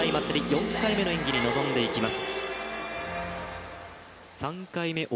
４回目の演技に臨んでいきます。